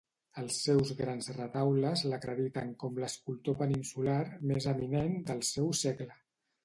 Els seus grans retaules l'acrediten com l'escultor peninsular més eminent del seu segle.